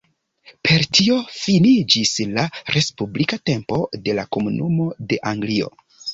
Per tio finiĝis la respublika tempo de la "Komunumo de Anglio".